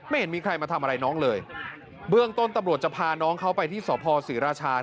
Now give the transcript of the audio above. เห็นมีใครมาทำอะไรน้องเลยเบื้องต้นตำรวจจะพาน้องเขาไปที่สพศรีราชา